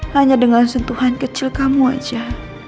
hanya dengan sentuhan kecil kamu aja